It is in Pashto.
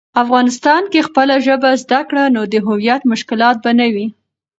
افغانسان کی خپله ژبه زده کړه، نو د هویت مشکلات به نه وي.